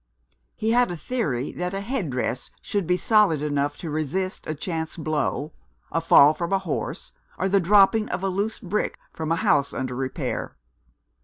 He had a theory that a head dress should be solid enough to resist a chance blow a fall from a horse, or the dropping of a loose brick from a house under repair.